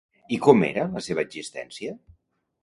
I com era la seva existència?